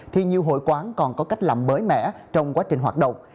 thì nhiều hội quán còn có cách làm mới mẻ trong quá trình hoạt động